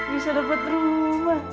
bisa dapat rumah